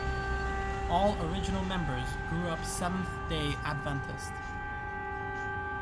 All original members grew up Seventh-day Adventist.